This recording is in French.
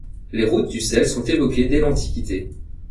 Les routes du sel sont évoquées dès l'Antiquité.